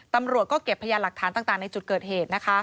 ตำรวจก็เก็บพยานหลักฐานต่างในจุดเกิดเหตุนะคะ